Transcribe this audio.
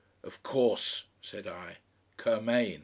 "Of course!" said I, "Curmain!"